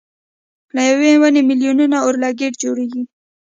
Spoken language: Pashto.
له یوې ونې مېلیونه اورلګیت جوړېږي.